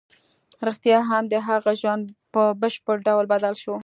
رښتیا هم د هغه ژوند په بشپړ ډول بدل شو